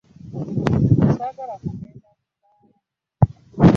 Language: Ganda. Nze ssaagala kugenda mu bbaala.